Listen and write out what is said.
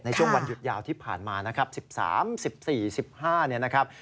ช่วงวันหยุดยาวที่ผ่านมานะครับ๑๓๑๔๑๕เนี่ยนะครับ